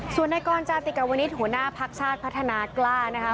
ส่วนในกรจาติกวนิษฐ์หัวหน้าพักชาติพัฒนากล้านะคะ